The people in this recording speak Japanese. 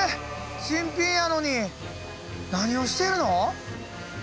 新品やのに何をしてるの！？